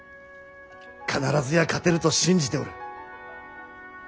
必ずや勝てると信じておる。